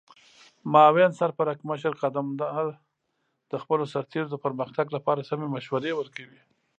معاون سرپرکمشر قدمدار د خپلو سرتیرو د پرمختګ لپاره سمې مشورې ورکوي.